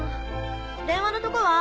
電話のとこは？